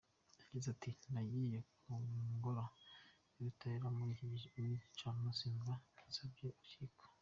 Yagize ati, "Nagiye ku ngoro y’ubutabera kuri iki gicamunsi, kumva ibyasabwe urukiko.